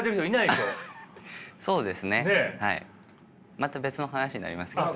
また別の話になりますけどね。